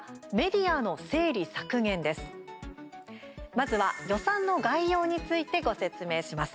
まずは、予算の概要についてご説明します。